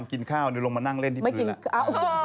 ไม่ยอมกินข้าวเดี๋ยวลงมานั่งเล่นที่ฟื้อ